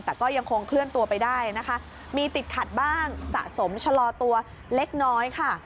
แต่ก็ยังคงเคลื่อนตัวไปได้นะคะมีติดขัดบ้างสะสมชะลอตัวเล็กน้อยค่ะ